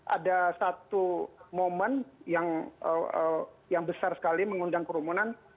ada satu momen yang besar sekali mengundang kerumunan